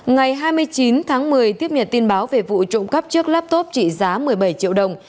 ngày hai mươi chín tháng một mươi tiếp nhận tin báo về vụ trộm cắp chiếc laptop trị giá một mươi bảy triệu đồng